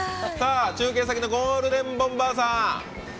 中継先のゴールデンボンバーさん。